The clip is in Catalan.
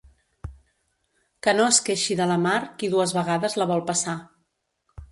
Que no es queixi de la mar qui dues vegades la vol passar.